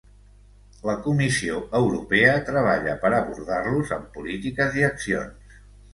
La Comissió Europea treballa per abordar-los amb polítiques i accions.